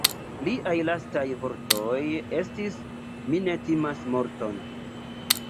Liaj lastaj vortoj estis: "mi ne timas morton.